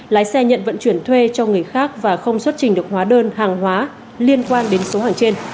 lái xe nhận vận chuyển thuê cho người khác và không xuất trình được hóa đơn hàng hóa liên quan đến số hàng trên